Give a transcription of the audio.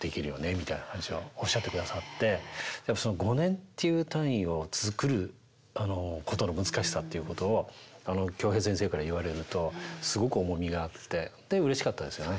みたいな話をおっしゃってくださってやっぱその５年っていう単位を作ることの難しさっていうことを京平先生から言われるとすごく重みがあってでうれしかったですよね